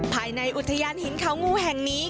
ภายในอุทยานหินเขางูแห่งนี้